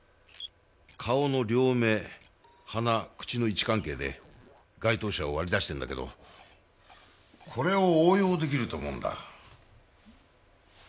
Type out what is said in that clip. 顔の両目鼻口の位置関係で該当者を割り出してるんだけどこれを応用できると思うんだ。